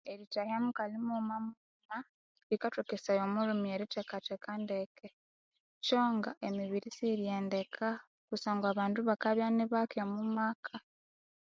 Erithahya mukali mughuma mughuma likathokesaya omulhume erithekatheka ndeke kyonga emibiri siyirighendeka kusangwa abandu bakabya inibake omumaka.